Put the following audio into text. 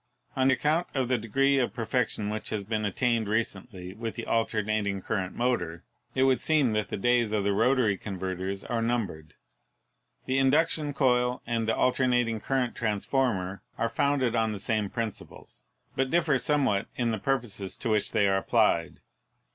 On account of the degree of perfection which has been attained recently with the al ternating current motor, it would seem that the days of the rotary converters are numbered. The induction coil and the alternating current trans former are founded on the same principles, but differ somewhat in the purposes to which they are applied.